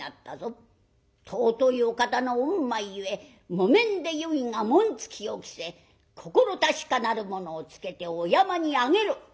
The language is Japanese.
尊いお方の御前ゆえ木綿でよいが紋付きを着せ心確かなる者をつけてお山に上げろ。